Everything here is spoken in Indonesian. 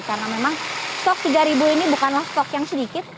karena memang stok tiga ini bukanlah stok yang sedikit